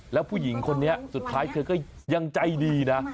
แล้วผู้หญิงคนนี้สุดท้ายเธอก็ยังใจดีนะ